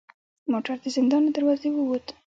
موټر د زندان له دروازې و وت.